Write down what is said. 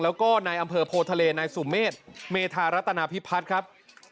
แล้วก็นายอำเภอโพทะเลนายสุเมษเมธารัตนาพิพัฒน์ครับ